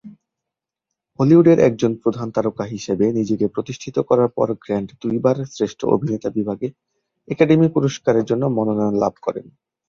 হলিউডের একজন প্রধান তারকা হিসেবে নিজেকে প্রতিষ্ঠিত করার পর গ্র্যান্ট দুইবার শ্রেষ্ঠ অভিনেতা বিভাগে একাডেমি পুরস্কারের জন্য মনোনয়ন লাভ করেন।